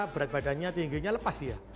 berat badannya tingginya lepas dia